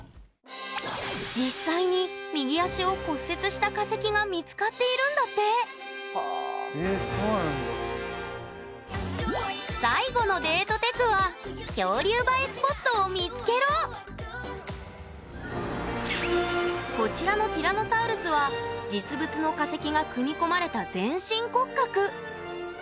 実際に右足を骨折した化石が見つかっているんだって最後のデートテクはこちらのティラノサウルスは実物の化石が組み込まれた全身骨格。